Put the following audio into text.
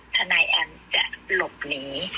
ทนายแอมจะหลบหนี